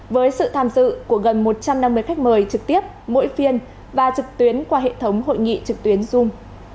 với sự tham dự của gần một trăm năm mươi khách mời trực tiếp mỗi phiên và trực tuyến qua hệ thống hội nghị trực tuyến dung